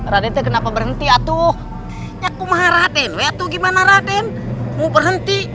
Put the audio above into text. raden kenapa berhenti atuh aku maha raden wetu gimana raden mau berhenti